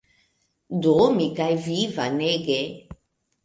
Do, mi kaj vi Vanege